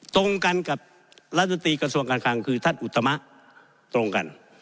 ตรงกันกับรัฐมนตรีกระทรวงการคลังคือท่านอุตมะตรงกัน